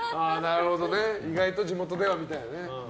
意外と地元ではみたいなね。